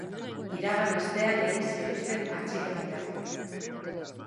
Iragan astean egin zituzten atxiloketak.